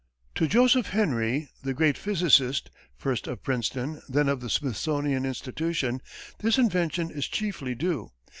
To Joseph Henry, the great physicist, first of Princeton, then of the Smithsonian Institution, this invention is chiefly due.